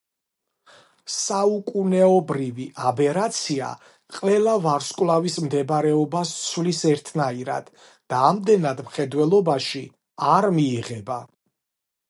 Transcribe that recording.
საუკუნეობრივი აბერაცია ყველა ვარსკვლავის მდებარეობას ცვლის ერთნაირად და ამდენად მხედველობაში არ მიიღება.